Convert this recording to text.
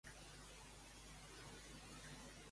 Qui va ser Joana I Nàpols?